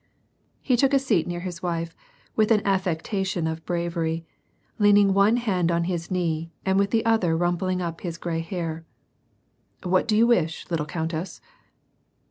He took a seat near his wife, with an affectation of bravery, leaning one hand on his knee and with the other rumpling up his gray hair :" What do you wish, little countess